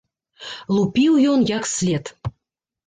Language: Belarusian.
Лупіў ён як след!